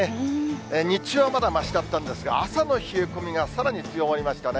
日中はまだましだったんですが、朝の冷え込みがさらに強まりましたね。